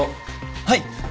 はい！